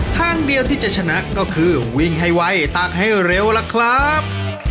ทางเดียวที่จะชนะก็คือวิ่งให้ไวตักให้เร็วล่ะครับ